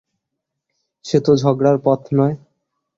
সে তো ঝগড়ার পথ নয়।